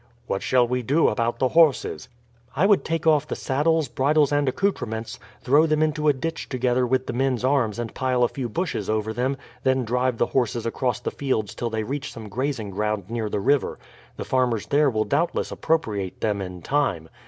"What shall we do about the horses?" "I would take off the saddles, bridles, and accouterments, throw them into a ditch together with the men's arms and pile a few bushes over them, then drive the horses across the fields till they reach some grazing ground near the river; the farmers there will doubtless appropriate them in time.